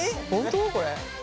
これ。